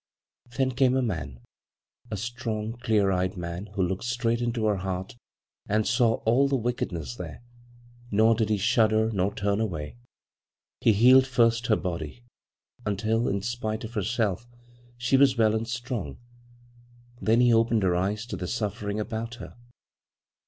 " Then came a man — a strong, clear eyed man who looked straight into her heart and saw all the wickedness there, nor did he shudder nor turn away. He healed first her body until, in spite of herself, she was well and strong ; then he opened her eyes to the suffering about her.